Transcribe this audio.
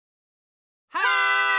はい！